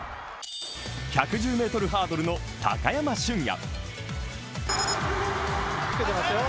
１１０ｍハードルの高山峻野。